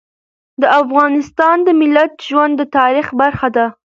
د افغانستان د ملت ژوند د تاریخ برخه ده.